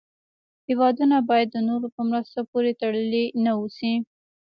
هېوادونه باید د نورو په مرستو پورې تړلې و نه اوسي.